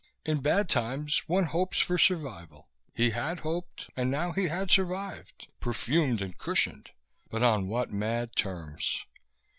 In bad times one hopes for survival. He had hoped; and now he had survival, perfumed and cushioned, but on what mad terms!